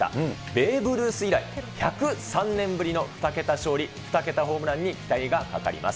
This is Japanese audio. ベーブ・ルース以来、１０３年ぶりの２桁勝利、２桁ホームランに期待がかかります。